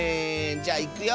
じゃいくよ。